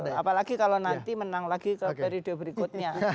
betul apalagi kalau nanti menang lagi ke periode berikutnya